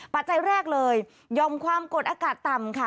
ปัจจัยแรกเลยยอมความกดอากาศต่ำค่ะ